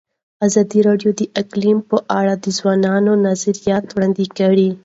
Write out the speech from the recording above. ازادي راډیو د اقلیم په اړه د ځوانانو نظریات وړاندې کړي.